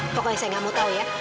pokoknya saya nggak mau tahu ya